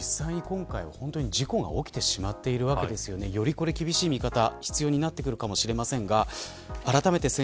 実際に今回、事故が起きてしまっているわけですがより厳しい見方が必要になってくるかもしれません。